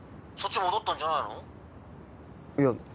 「そっち戻ったんじゃないの？」